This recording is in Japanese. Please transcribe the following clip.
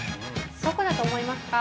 どこだと思いますか。